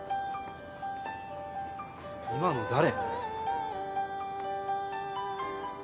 今の誰？